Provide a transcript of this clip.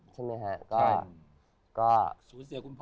ใช่ไหมฮะก็ก็ศูนย์เสียคุณพ่อ